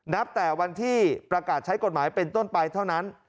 แต่วันที่ประกาศใช้กฎหมายเป็นต้นไปเท่านั้น